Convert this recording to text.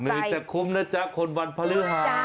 เหนื่อยแต่คุ้มนะจ๊ะคนวันพฤหัส